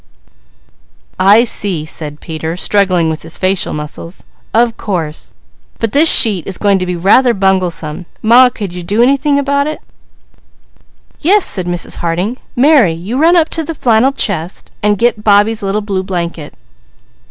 "I see!" said Peter, struggling with his facial muscles. "Of course! But this sheet is going to be rather bunglesome. Ma, could you do anything about it?" "Yes," said Mrs. Harding. "Mary, you run up to the flannel chest, and get Bobbie's little blue blanket."